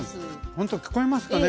ほんと聞こえますかね？